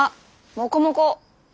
モコモコ？